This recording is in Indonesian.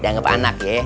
dianggap anak ya